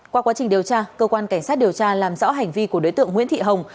qua quá trình điều tra cơ quan cảnh sát điều tra làm rõ hành vi của đối tượng nguyễn thị hồng